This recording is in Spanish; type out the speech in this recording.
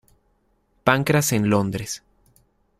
Pancras en Londres.